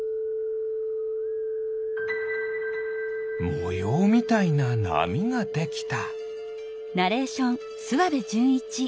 もようみたいななみができた。